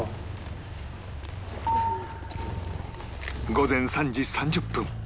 午前３時３０分